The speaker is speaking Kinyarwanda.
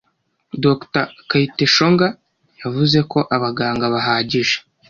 Dr Kayiteshonga yavuze ko abaganga bahagije